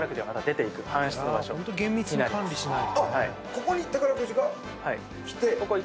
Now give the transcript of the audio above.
ここに宝くじが来て。